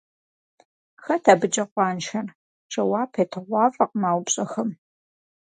Хэт абыкӀэ къуаншэр? Жэуап етыгъуафӀэкъым а упщӀэхэм.